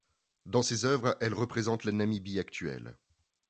Dans ses œuvres, elle représente la Namibie actuelle.